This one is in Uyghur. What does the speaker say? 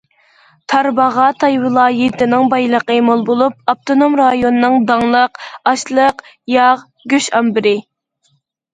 تارباغاتاي ۋىلايىتىنىڭ بايلىقى مول بولۇپ، ئاپتونوم رايوننىڭ داڭلىق‹‹ ئاشلىق، ياغ، گۆش ئامبىرى››.